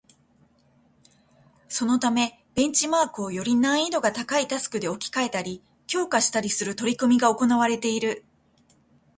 そのためベンチマークをより難易度が高いタスクで置き換えたり、強化したりする取り組みが行われている